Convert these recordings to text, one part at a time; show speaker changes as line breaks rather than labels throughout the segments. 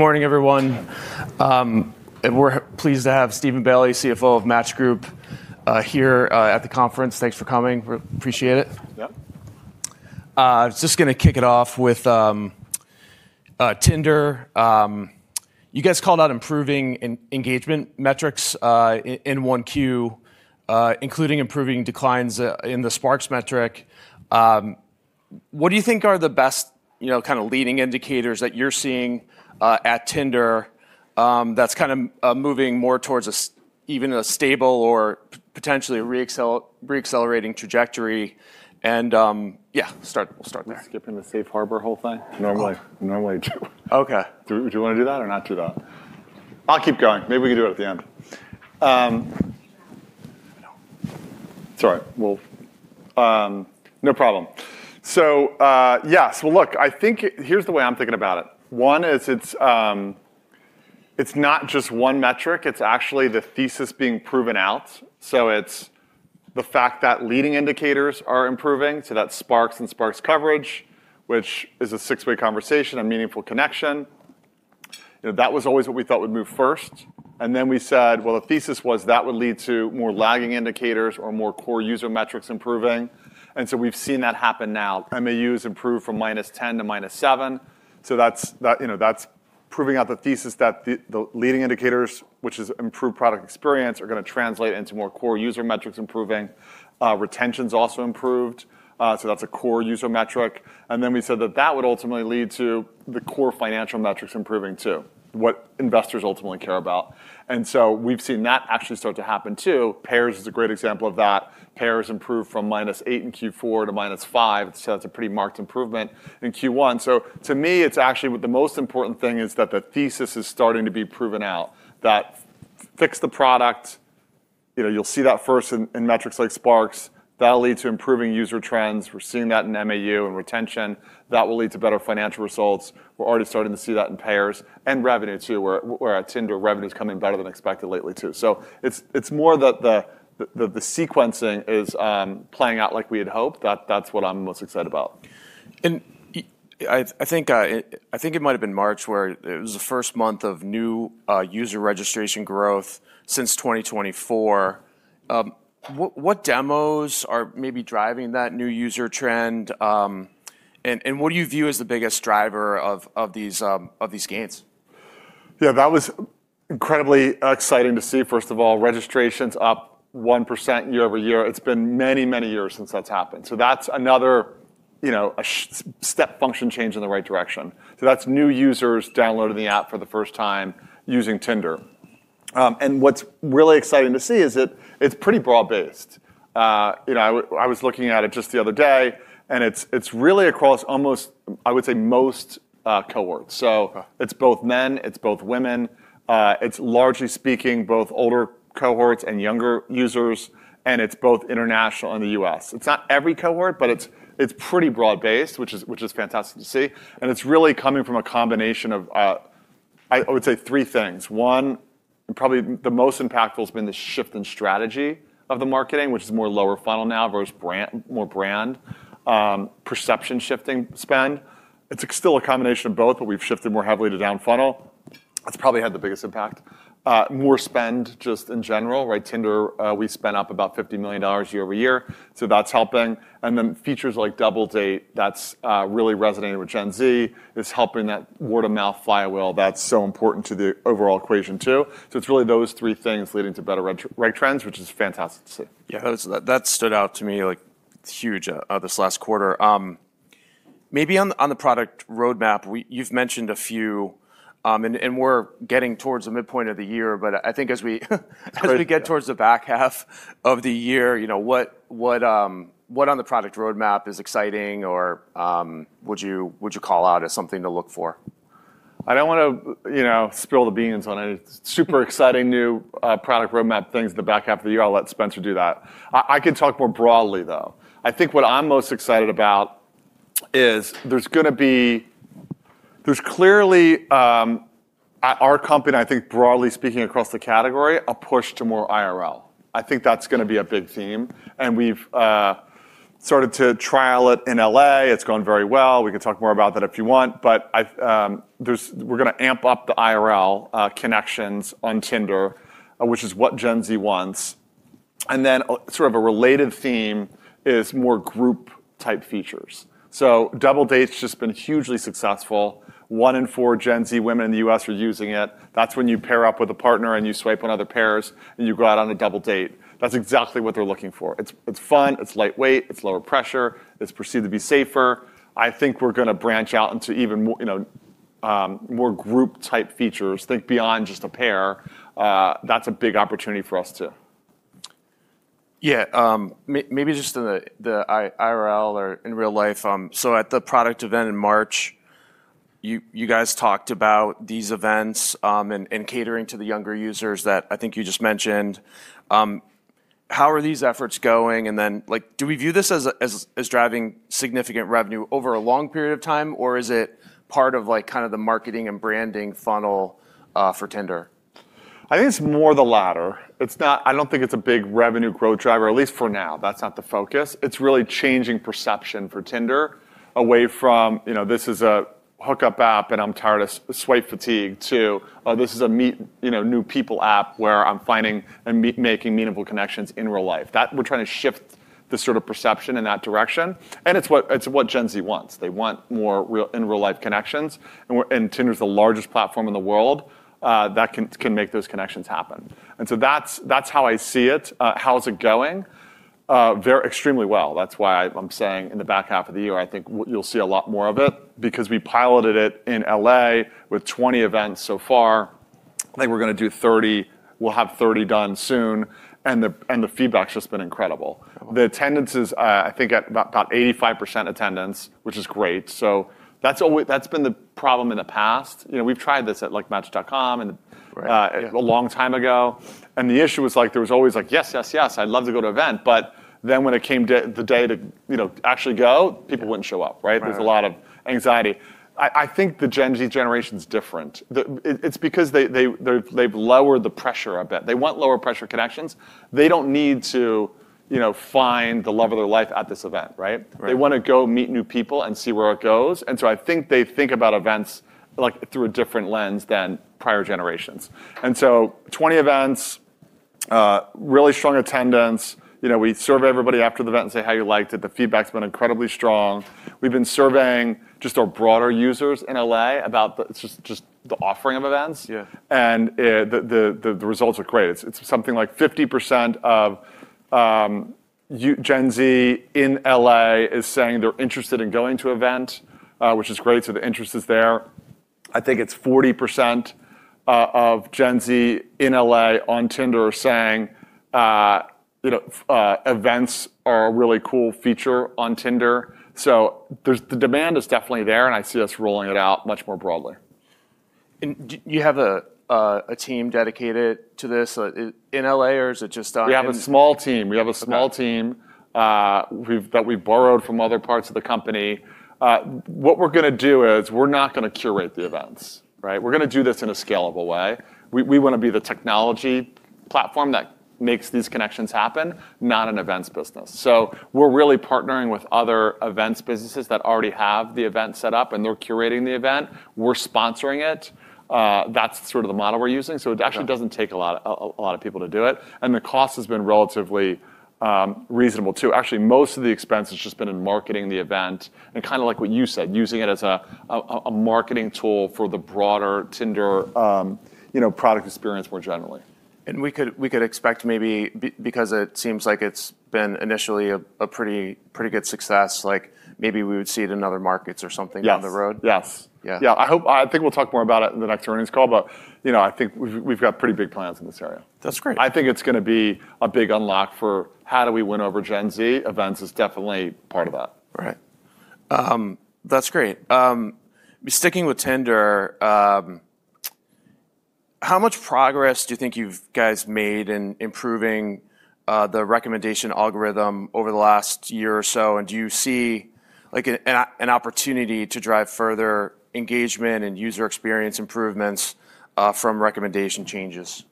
Morning, everyone. We're pleased to have Steven Bailey, CFO of Match Group, here at the conference. Thanks for coming. We appreciate it.
Yeah.
I was just going to kick it off with Tinder. You guys called out improving engagement metrics in 1Q, including improving declines in the Sparks metric. What do you think are the best leading indicators that you're seeing at Tinder that's moving more towards even a stable or potentially a re-accelerating trajectory and yeah? We'll start there.
Skip the safe harbor whole thing? Normally I do.
Okay.
Do you want to do that or not do that? I'll keep going. Maybe we can do it at the end.
It's all right.
Well, no problem. Yeah. Look, here's the way I'm thinking about it. One is, it's not just one metric, it's actually the thesis being proven out. It's the fact that leading indicators are improving, so that Sparks and Sparks Coverage, which is a six-way conversation, a meaningful connection. That was always what we thought would move first. Then we said, well, the thesis was that would lead to more lagging indicators or more core user metrics improving. We've seen that happen now. MAUs improved from -10 to -7, that's proving out the thesis that the leading indicators, which is improved product experience, are going to translate into more core user metrics improving. Retention's also improved. That's a core user metric. Then we said that that would ultimately lead to the core financial metrics improving, too. What investors ultimately care about. We've seen that actually start to happen, too. Pairs is a great example of that. Pairs improved from -8 in Q4 to -5. That's a pretty marked improvement in Q1. To me, it's actually with the most important thing is that the thesis is starting to be proven out. That fix the product, you'll see that first in metrics like Sparks. That'll lead to improving user trends. We're seeing that in MAU and retention. That will lead to better financial results. We're already starting to see that in Pairs and revenue, too, where at Tinder, revenue's coming better than expected lately, too. It's more that the sequencing is playing out like we had hoped. That's what I'm most excited about.
I think it might have been March where it was the first month of new user registration growth since 2024. What demos are maybe driving that new user trend? What do you view as the biggest driver of these gains?
That was incredibly exciting to see, first of all. Registrations up 1% year-over-year. It's been many, many years since that's happened. That's another step function change in the right direction. That's new users downloading the app for the first time using Tinder. What's really exciting to see is that it's pretty broad-based. I was looking at it just the other day, and it's really across almost, I would say, most cohorts. It's both men, it's both women. It's largely speaking, both older cohorts and younger users, and it's both international and the U.S. It's not every cohort, but it's pretty broad-based, which is fantastic to see, and it's really coming from a combination of, I would say, three things. One, probably the most impactful has been the shift in strategy of the marketing, which is more lower funnel now versus more brand. Perception shifting spend. It's still a combination of both, but we've shifted more heavily to down funnel. That's probably had the biggest impact. More spend just in general, right? Tinder, we spent up about $50 million year-over-year. That's helping. Features like Double Date, that's really resonated with Gen Z, is helping that word of mouth flywheel that's so important to the overall equation, too. It's really those three things leading to better trends, which is fantastic to see.
Yeah. That stood out to me huge this last quarter. Maybe on the product roadmap, you've mentioned a few, and we're getting towards the midpoint of the year, but I think as we get towards the back half of the year, what on the product roadmap is exciting or would you call out as something to look for?
I don't want to spill the beans on any super exciting new product roadmap things the back half of the year. I'll let Spencer do that. I can talk more broadly, though. I think what I'm most excited about is there's clearly, at our company and I think broadly speaking, across the category, a push to more IRL. I think that's going to be a big theme. We've started to trial it in L.A. It's gone very well. We can talk more about that if you want, but we're going to amp up the IRL connections on Tinder, which is what Gen Z wants. Then sort of a related theme is more group-type features. Double Date's just been hugely successful. One in four Gen Z women in the U.S. are using it. That's when you pair up with a partner and you swipe on other pairs, and you go out on a Double Date. That's exactly what they're looking for. It's fun, it's lightweight, it's lower pressure. It's perceived to be safer. I think we're going to branch out into even more group-type features. Think beyond just a pair. That's a big opportunity for us, too.
Yeah. Maybe just in the IRL or in real life. At the product event in March, you guys talked about these events, and catering to the younger users that I think you just mentioned. How are these efforts going? Then do we view this as driving significant revenue over a long period of time, or is it part of the marketing and branding funnel for Tinder?
I think it's more the latter. I don't think it's a big revenue growth driver, at least for now. That's not the focus. It's really changing perception for Tinder away from, this is a hookup app and I'm tired of swipe fatigue to, oh, this is a meet new people app where I'm finding and making meaningful connections in real life. We're trying to shift the sort of perception in that direction. It's what Gen Z wants. They want more in real-life connections. Tinder's the largest platform in the world that can make those connections happen. That's how I see it. How is it going? Extremely well. That's why I'm saying in the back half of the year, I think you'll see a lot more of it because we piloted it in L.A. with 20 events so far. I think we're going to do 30. We'll have 30 done soon. The feedback's just been incredible.
Okay.
The attendance is, I think, at about 85% attendance, which is great. That's been the problem in the past. We've tried this at Match.com.
Right. Yeah.
a long time ago, The issue was there was always like, "Yes, yes. I'd love to go to event." When it came the day to actually go, people wouldn't show up, right?
Right.
There's a lot of anxiety. I think the Gen Z generation's different. It's because they've lowered the pressure a bit. They want lower pressure connections. They don't need to find the love of their life at this event, right?
Right.
They want to go meet new people and see where it goes. I think they think about events through a different lens than prior generations. 20 events, really strong attendance. We survey everybody after the event and say, "How you liked it?" The feedback's been incredibly strong. We've been surveying just our broader users in L.A. about just the offering of events.
Yeah.
The results are great. It's something like 50% of Gen Z in L.A. is saying they're interested in going to event, which is great. The interest is there. I think it's 40% of Gen Z in L.A. on Tinder saying events are a really cool feature on Tinder. The demand is definitely there, and I see us rolling it out much more broadly.
Do you have a team dedicated to this in L.A.?
We have a small team. We have a small team that we've borrowed from other parts of the company. What we're going to do is we're not going to curate the events, right? We're going to do this in a scalable way. We want to be the technology platform that makes these connections happen, not an events business. We're really partnering with other events businesses that already have the event set up and they're curating the event. We're sponsoring it. That's sort of the model we're using. It actually doesn't take a lot of people to do it. The cost has been relatively reasonable too. Actually, most of the expense has just been in marketing the event and kind of like what you said, using it as a marketing tool for the broader Tinder product experience more generally.
We could expect maybe, because it seems like it's been initially a pretty good success, maybe we would see it in other markets or something down the road.
Yes.
Yeah.
Yeah. I think we'll talk more about it in the next earnings call, but I think we've got pretty big plans in this area.
That's great.
I think it's going to be a big unlock for how do we win over Gen Z. Events is definitely part of that.
Right. That's great. Sticking with Tinder, how much progress do you think you've guys made in improving the recommendation algorithm over the last year or so? Do you see an opportunity to drive further engagement and user experience improvements from recommendation changes?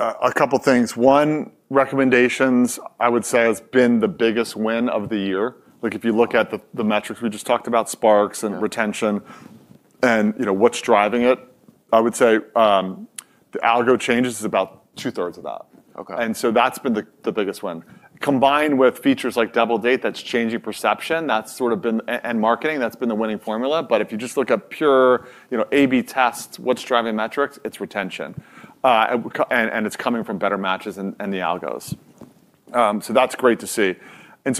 A couple things. One, recommendations, I would say, has been the biggest win of the year. If you look at the metrics we just talked about, Sparks and retention and what's driving it, I would say the algo changes is about two-thirds of that.
Okay.
That's been the biggest win. Combined with features like Double Date that's changing perception and marketing, that's been the winning formula. If you just look at pure A/B tests, what's driving metrics? It's retention. It's coming from better matches and the algos. That's great to see.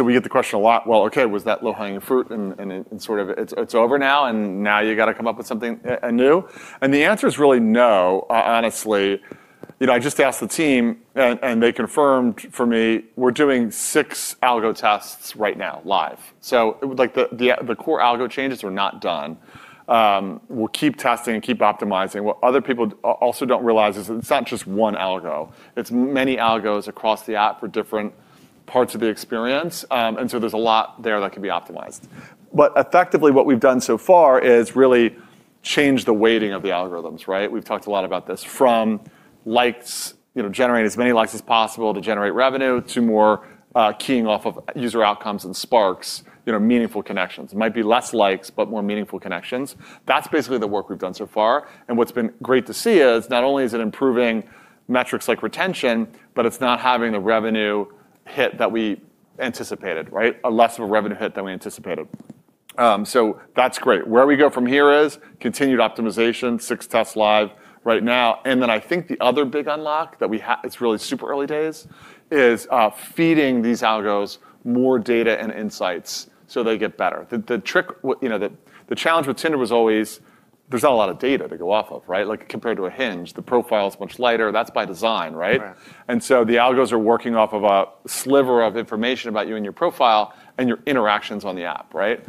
We get the question a lot, well, okay, was that low-hanging fruit and sort of it's over now, and now you got to come up with something anew? The answer is really no, honestly. I just asked the team, and they confirmed for me we're doing six algo tests right now live. The core algo changes are not done. We'll keep testing and keep optimizing. What other people also don't realize is it's not just one algo. It's many algos across the app for different parts of the experience. There's a lot there that can be optimized. Effectively what we've done so far is really change the weighting of the algorithms, right? We've talked a lot about this. From likes, generate as many likes as possible to generate revenue to more keying off of user outcomes and Sparks, meaningful connections. It might be less likes, but more meaningful connections. That's basically the work we've done so far. What's been great to see is not only is it improving metrics like retention, but it's not having the revenue hit that we anticipated, right? Less of a revenue hit than we anticipated. That's great. Where we go from here is continued optimization, six tests live right now. I think the other big unlock that it's really super early days is feeding these algos more data and insights so they get better. The challenge with Tinder was always there's not a lot of data to go off of, right? Compared to a Hinge, the profile is much lighter. That's by design, right?
Right.
The algos are working off of a sliver of information about you and your profile and your interactions on the app, right?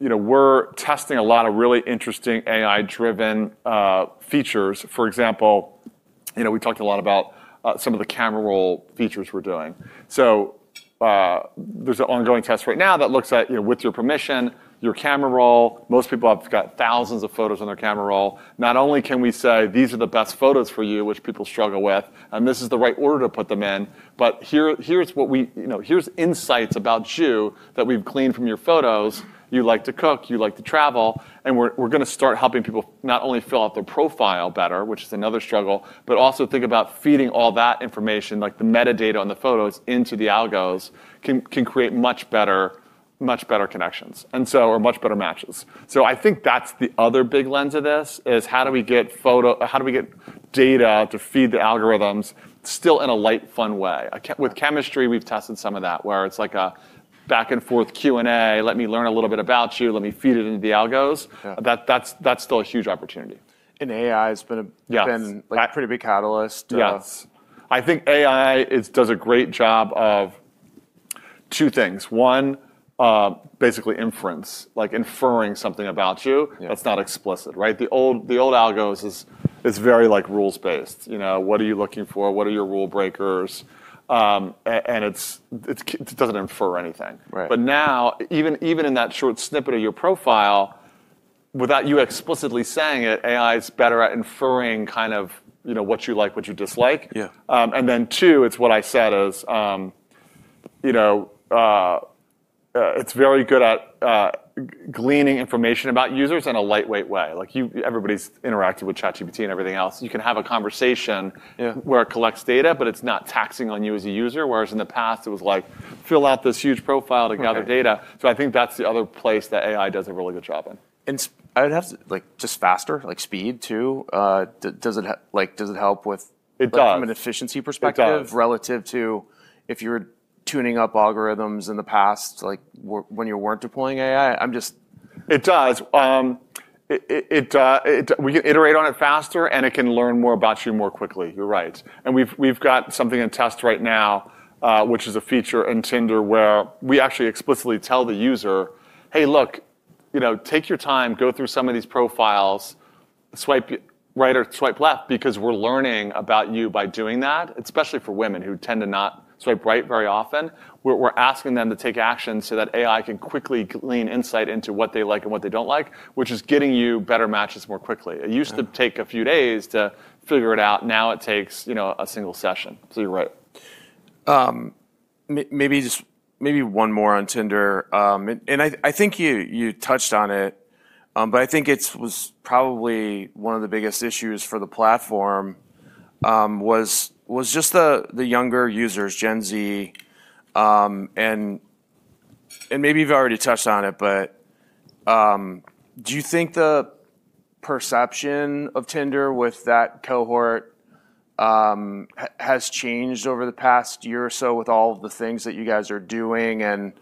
We're testing a lot of really interesting AI-driven features. For example, we talked a lot about some of the camera roll features we're doing. There's an ongoing test right now that looks at, with your permission, your camera roll. Most people have got thousands of photos on their camera roll. Not only can we say, "These are the best photos for you," which people struggle with, and this is the right order to put them in, but here's insights about you that we've gleaned from your photos. You like to cook, you like to travel. We're going to start helping people not only fill out their profile better, which is another struggle, but also think about feeding all that information, like the metadata on the photos, into the algos can create much better connections, or much better matches. I think that's the other big lens of this is how do we get data to feed the algorithms still in a light, fun way? With chemistry, we've tested some of that, where it's like a back-and-forth Q&A, let me learn a little bit about you, let me feed it into the algos.
Yeah.
That's still a huge opportunity.
AI's been.
Yes
been a pretty big catalyst.
Yes. I think AI does a great job of two things. One, basically inference, like inferring something about you-
Yeah
that's not explicit, right? The old algos is very rules-based. What are you looking for? What are your rule breakers? It doesn't infer anything.
Right.
Now, even in that short snippet of your profile, without you explicitly saying it, AI is better at inferring what you like, what you dislike.
Yeah.
Two, it's what I said is, it's very good at gleaning information about users in a lightweight way. Everybody's interacted with ChatGPT and everything else.
Yeah
where it collects data, but it's not taxing on you as a user. Whereas in the past it was like, fill out this huge profile to gather data.
Okay.
I think that's the other place that AI does a really good job in.
Like just faster, like speed too? Does it help with?
It does.
like from an efficiency perspective.
It does.
relative to if you're tuning up algorithms in the past, like when you weren't deploying AI? I'm just.
It does. We can iterate on it faster, and it can learn more about you more quickly. You're right. We've got something in test right now, which is a feature in Tinder where we actually explicitly tell the user, "Hey, look, take your time, go through some of these profiles, swipe right or swipe left," because we're learning about you by doing that, especially for women who tend to not swipe right very often. We're asking them to take action so that AI can quickly glean insight into what they like and what they don't like, which is getting you better matches more quickly. It used to take a few days to figure it out. Now it takes a single session. You're right.
Maybe one more on Tinder. I think you touched on it, but I think it was probably one of the biggest issues for the platform, was just the younger users, Gen Z. Maybe you've already touched on it, but do you think the perception of Tinder with that cohort has changed over the past year or so with all of the things that you guys are doing, and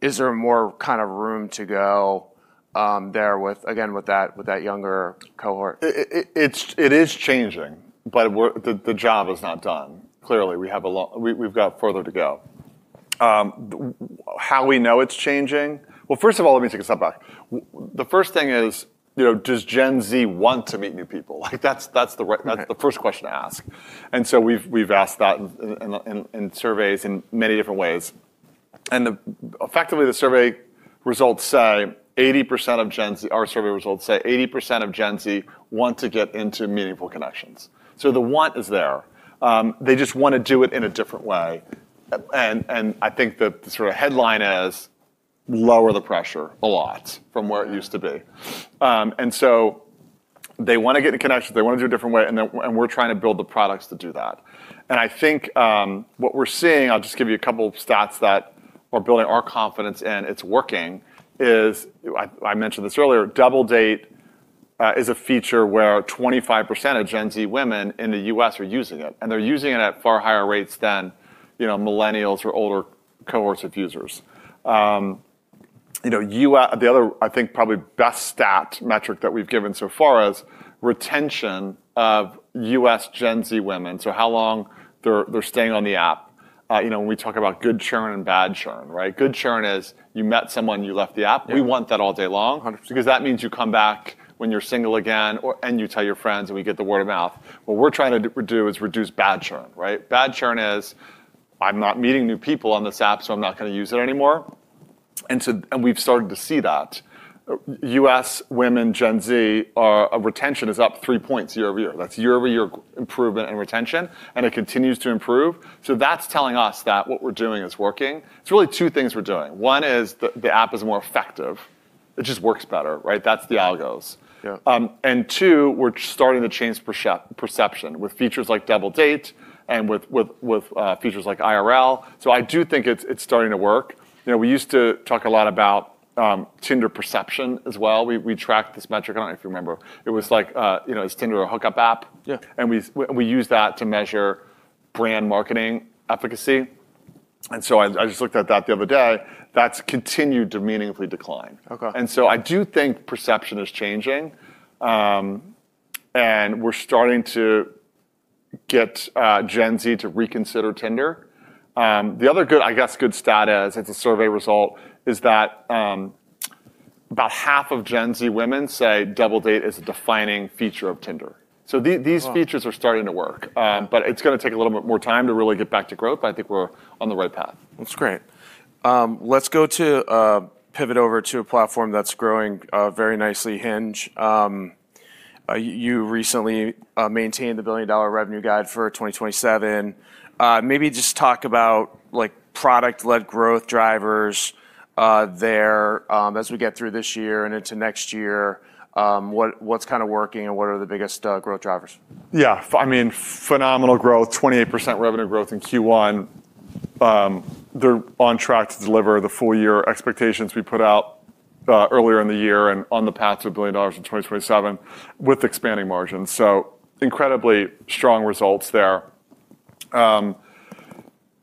is there more room to go there with, again, with that younger cohort?
It is changing, but the job is not done. Clearly, we've got further to go. How we know it's changing? Well, first of all, let me take a step back. The first thing is, does Gen Z want to meet new people? Like that's the first question to ask. We've asked that in surveys in many different ways. Effectively, our survey results say 80% of Gen Z want to get into meaningful connections. The want is there. They just want to do it in a different way. I think the headline is lower the pressure a lot from where it used to be. They want to get a connection, they want to do it a different way, and we're trying to build the products to do that. I think what we're seeing, I'll just give you a couple of stats that are building our confidence in it's working is. I mentioned this earlier, Double Date is a feature where 25% of Gen Z women in the U.S. are using it, and they're using it at far higher rates than millennials or older cohorts of users. The other, I think, probably best stat metric that we've given so far is retention of U.S. Gen Z women, so how long they're staying on the app. When we talk about good churn and bad churn, right? Good churn is you met someone, you left the app.
Yeah.
We want that all day long.
100%.
That means you come back when you're single again, and you tell your friends, and we get the word of mouth. What we're trying to do is reduce bad churn, right? Bad churn is, I'm not meeting new people on this app, so I'm not going to use it anymore. We've started to see that. U.S. women, Gen Z, our retention is up three points year-over-year. That's year-over-year improvement in retention, and it continues to improve. That's telling us that what we're doing is working. It's really two things we're doing. One is the app is more effective. It just works better, right? That's the algos.
Yeah.
Two, we're starting to change perception with features like Double Date and with features like IRL. I do think it's starting to work. We used to talk a lot about Tinder perception as well. We tracked this metric. I don't know if you remember. It was like, is Tinder a hookup app?
Yeah.
We used that to measure brand marketing efficacy. I just looked at that the other day. That's continued to meaningfully decline.
Okay.
I do think perception is changing. We're starting to get Gen Z to reconsider Tinder. The other, I guess, good stat is, it's a survey result, About half of Gen Z women say Double Date is a defining feature of Tinder. These features are starting to work. It's going to take a little bit more time to really get back to growth, but I think we're on the right path.
That's great. Let's pivot over to a platform that's growing very nicely, Hinge. You recently maintained the billion-dollar revenue guide for 2027. Maybe just talk about product-led growth drivers there as we get through this year and into next year. What's working and what are the biggest growth drivers?
Yeah. Phenomenal growth, 28% revenue growth in Q1. They're on track to deliver the full-year expectations we put out earlier in the year and on the path to $1 billion in 2027 with expanding margins. Incredibly strong results there.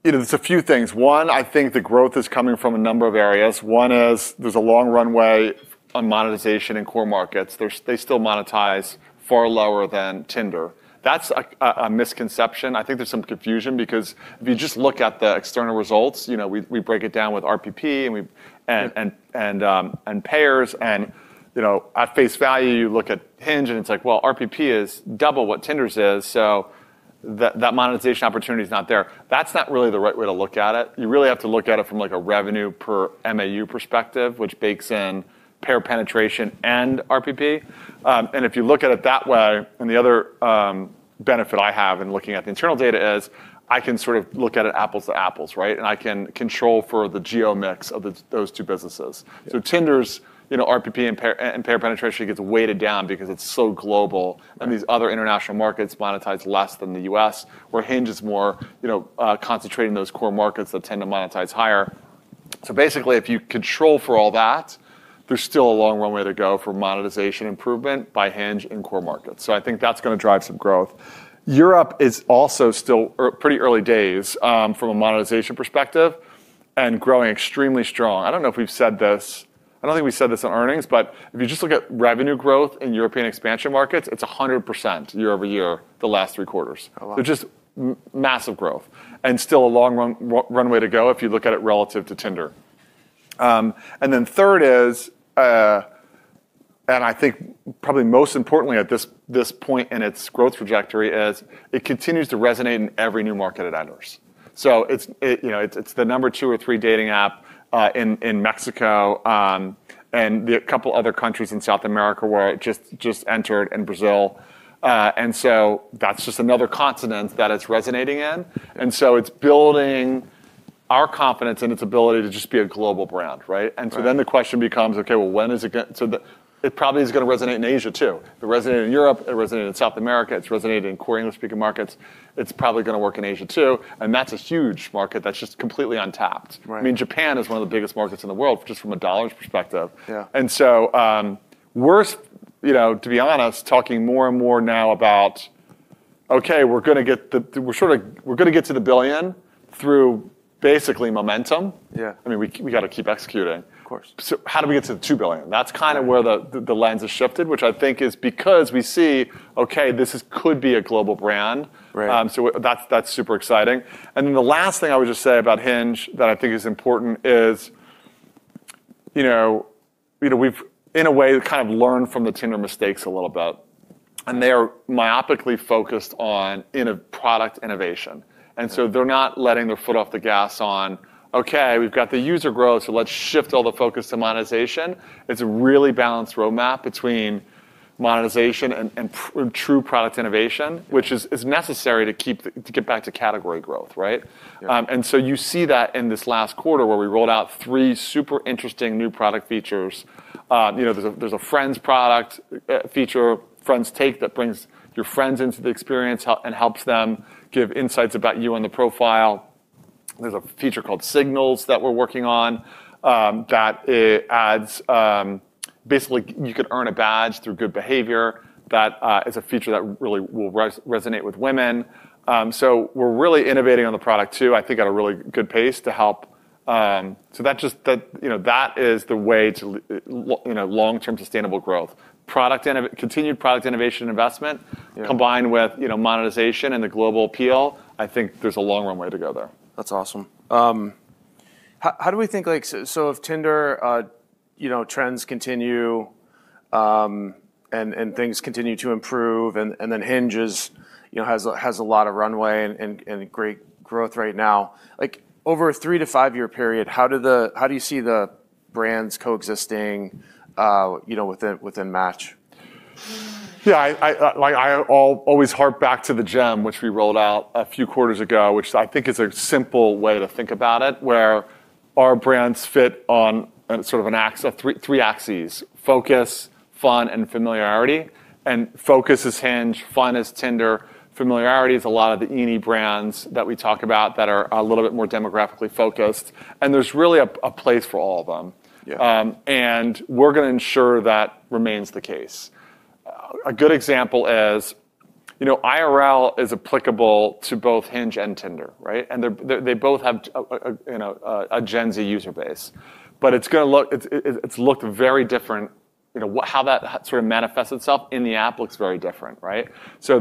It's a few things. One, I think the growth is coming from a number of areas. One is there's a long runway on monetization in core markets. They still monetize far lower than Tinder. That's a misconception. I think there's some confusion because if you just look at the external results, we break it down with RPP and payers and at face value, you look at Hinge and it's like, well, RPP is double what Tinder's is, so that monetization opportunity is not there. That's not really the right way to look at it. You really have to look at it from a revenue per MAU perspective, which bakes in payer penetration and RPP. If you look at it that way, and the other benefit I have in looking at the internal data is I can look at it apples to apples. I can control for the geo mix of those two businesses. Tinder's RPP and payer penetration gets weighted down because it's so global and these other international markets monetize less than the U.S., where Hinge is more concentrated in those core markets that tend to monetize higher. Basically, if you control for all that, there's still a long runway to go for monetization improvement by Hinge in core markets. I think that's going to drive some growth. Europe is also still pretty early days, from a monetization perspective and growing extremely strong. I don't know if we've said this, I don't think we said this in earnings. If you just look at revenue growth in European expansion markets, it's 100% year-over-year, the last three quarters.
Oh, wow.
Just massive growth and still a long runway to go if you look at it relative to Tinder. Third is, and I think probably most importantly at this point in its growth trajectory, is it continues to resonate in every new market it enters. It's the Number 2 or 3 dating app in Mexico, and a couple of other countries in South America where it just entered in Brazil. That's just another continent that it's resonating in. It's building our confidence in its ability to just be a global brand, right.
Right.
The question becomes, okay, it probably is going to resonate in Asia, too. It resonated in Europe, it resonated in South America, it's resonated in core English-speaking markets. It's probably going to work in Asia, too, and that's a huge market that's just completely untapped.
Right.
Japan is one of the biggest markets in the world, just from a dollars perspective.
Yeah.
We're, to be honest, talking more and more now about, okay, we're going to get to the billion through basically momentum.
Yeah.
We’ve got to keep executing.
Of course.
How do we get to the $2 billion? That's where the lens has shifted, which I think is because we see, okay, this could be a global brand.
Right.
That's super exciting. The last thing I would just say about Hinge that I think is important is we've, in a way, learned from the Tinder mistakes a little bit, and they are myopically focused on product innovation. They're not letting their foot off the gas on, okay, we've got the user growth, so let's shift all the focus to monetization. It's a really balanced roadmap between monetization and true product innovation, which is necessary to get back to category growth, right?
Yeah.
You see that in this last quarter where we rolled out three super interesting new product features. There's a friends product feature, Tinder Matchmaker, that brings your friends into the experience and helps them give insights about you on the profile. There's a feature called Signals that we're working on that basically you could earn a badge through good behavior. That is a feature that really will resonate with women. We're really innovating on the product, too, I think at a really good pace. That is the way to long-term sustainable growth. Continued product innovation investment-
Yeah
combined with monetization and the global appeal, I think there's a long runway to go there.
That's awesome. How do we think, if Tinder trends continue, and things continue to improve, and then Hinge has a lot of runway and great growth right now, over a three to five-year period, how do you see the brands coexisting within Match?
I always harp back to the gem which we rolled out a few quarters ago, which I think is a simple way to think about it, where our brands fit on 3 axes: focus, fun, and familiarity. Focus is Hinge, fun is Tinder, familiarity is a lot of the Evergreen & Emerging brands that we talk about that are a little bit more demographically focused. There's really a place for all of them.
Yeah.
We're going to ensure that remains the case. A good example is IRL is applicable to both Hinge and Tinder. They both have a Gen Z user base. It's looked very different how that sort of manifests itself in the app looks very different, right? There's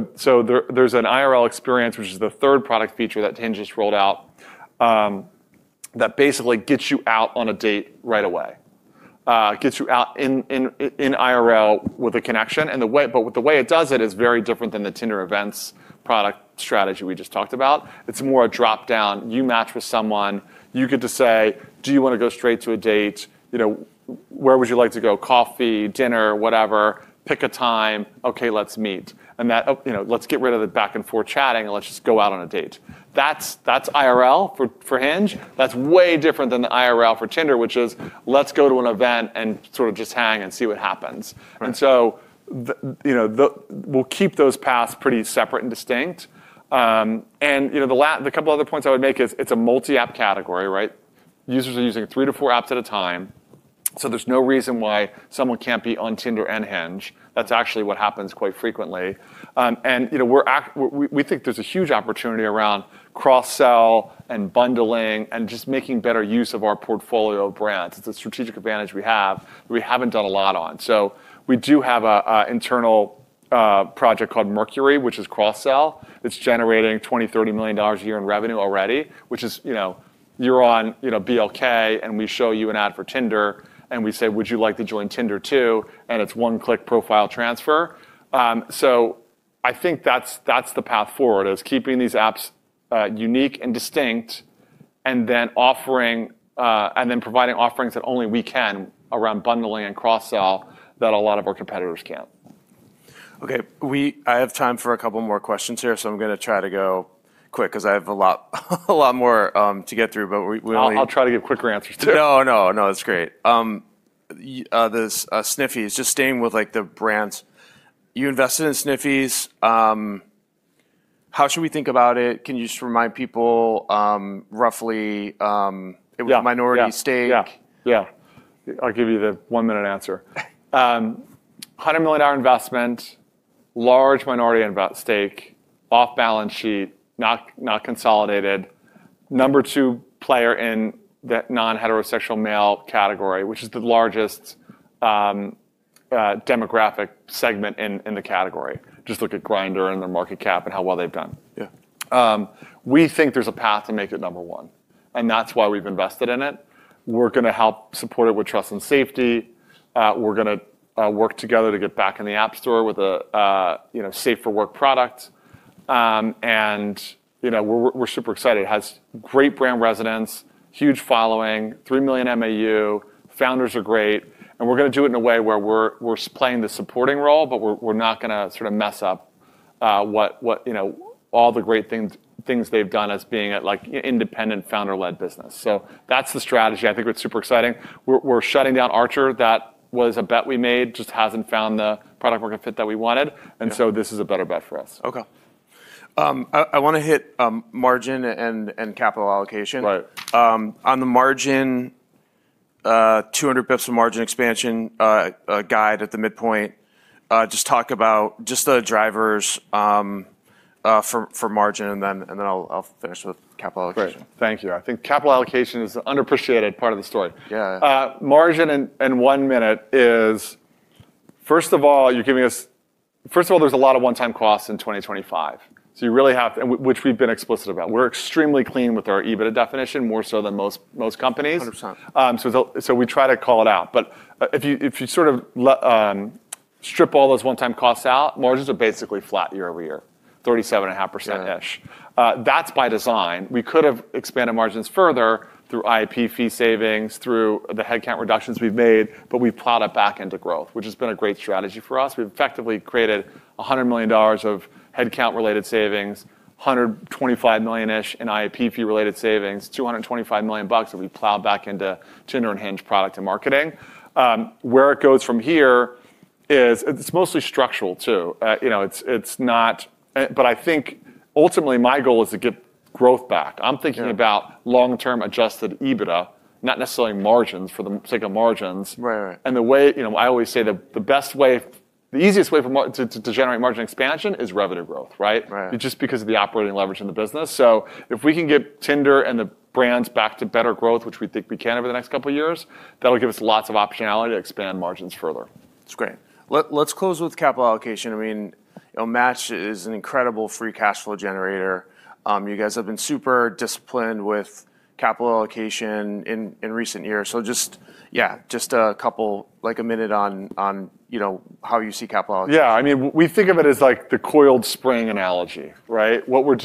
an IRL experience, which is the third product feature that Hinge just rolled out, that basically gets you out on a date right away, gets you out in IRL with a connection. With the way it does it is very different than the Tinder events product strategy we just talked about. It's more a drop-down. You match with someone, you get to say, "Do you want to go straight to a date? Where would you like to go? Coffee, dinner," whatever. Pick a time. Okay, let's meet. Let's get rid of the back-and-forth chatting, and let's just go out on a date. That's IRL for Hinge. That's way different than the IRL for Tinder, which is let's go to an event and sort of just hang and see what happens.
Right.
We'll keep those paths pretty separate and distinct. The couple other points I would make is, it's a multi-app category, right? Users are using three to four apps at a time, so there's no reason why someone can't be on Tinder and Hinge. That's actually what happens quite frequently. We think there's a huge opportunity around cross-sell and bundling and just making better use of our portfolio of brands. It's a strategic advantage we have that we haven't done a lot on. We do have an internal project called Mercury, which is cross-sell. It's generating $20 million, $30 million a year in revenue already, which is, you're on BLK, and we show you an ad for Tinder, and we say, "Would you like to join Tinder too?" It's one-click profile transfer. I think that's the path forward, is keeping these apps unique and distinct and then providing offerings that only we can around bundling and cross-sell that a lot of our competitors can't.
Okay. I have time for a couple more questions here, so I am going to try to go quick because I have a lot more to get through.
I'll try to give quicker answers too.
No, it's great. This Sniffies, just staying with the brands. You invested in Sniffies. How should we think about it? Can you just remind people roughly?
Yeah
it was a minority stake.
Yeah. I'll give you the one-minute answer. $100 million investment, large minority stake, off-balance sheet, not consolidated. Number 2 player in that non-heterosexual male category, which is the largest demographic segment in the category. Just look at Grindr and their market cap and how well they've done.
Yeah.
We think there's a path to make it number 1, that's why we've invested in it. We're going to help support it with trust and safety. We're going to work together to get back in the App Store with a safe-for-work product. We're super excited. It has great brand resonance, huge following, 3 million MAU, founders are great. We're going to do it in a way where we're playing the supporting role, we're not going to sort of mess up all the great things they've done as being an independent founder-led business. That's the strategy. I think it's super exciting. We're shutting down Archer. That was a bet we made, just hasn't found the product market fit that we wanted.
Yeah.
This is a better bet for us.
Okay. I want to hit margin and capital allocation.
Right.
On the margin, 200 basis points on margin expansion guide at the midpoint. Just talk about just the drivers for margin, then I'll finish with capital allocation.
Great. Thank you. I think capital allocation is an underappreciated part of the story.
Yeah.
Margin in one minute is, first of all, there's a lot of one-time costs in 2025, which we've been explicit about. We're extremely clean with our EBITDA definition, more so than most companies.
100%.
We try to call it out. If you sort of strip all those one-time costs out, margins are basically flat year-over-year, 37.5%-ish.
Yeah.
That's by design. We could have expanded margins further through IAP fee savings, through the headcount reductions we've made, but we plowed it back into growth, which has been a great strategy for us. We've effectively created $100 million of headcount-related savings, $125 million-ish in IAP fee-related savings, $225 million bucks that we plowed back into Tinder and Hinge product and marketing. Where it goes from here is it's mostly structural, too. I think ultimately my goal is to get growth back.
Yeah.
I'm thinking about long-term adjusted EBITDA, not necessarily margins for the sake of margins.
Right.
The way, I always say the easiest way to generate margin expansion is revenue growth, right?
Right.
Just because of the operating leverage in the business. If we can get Tinder and the brands back to better growth, which we think we can over the next couple of years, that'll give us lots of optionality to expand margins further.
That's great. Let's close with capital allocation. Match is an incredible free cash flow generator. You guys have been super disciplined with capital allocation in recent years. Just a couple, a minute on how you see capital allocation.
Yeah. We think of it as like the coiled spring analogy. We're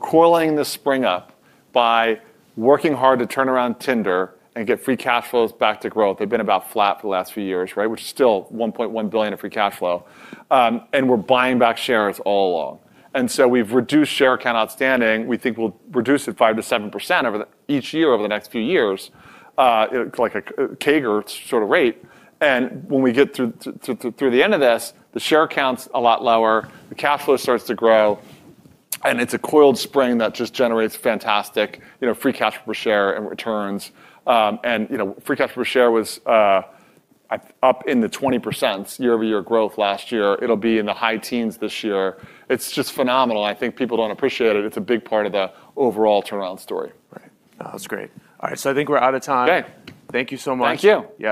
coiling the spring up by working hard to turn around Tinder and get free cash flows back to growth. They've been about flat for the last few years, which is still $1.1 billion of free cash flow. We're buying back shares all along. So we've reduced share count outstanding. We think we'll reduce it 5%-7% each year over the next few years, like a CAGR sort of rate. When we get through the end of this, the share count's a lot lower, the cash flow starts to grow, and it's a coiled spring that just generates fantastic free cash flow per share and returns. Free cash flow per share was up in the 20% year-over-year growth last year. It'll be in the high teens this year. It's just phenomenal. I think people don't appreciate it. It's a big part of the overall turnaround story.
Right. No, that's great. All right, I think we're out of time.
Okay.
Thank you so much.
Thank you.
Yeah.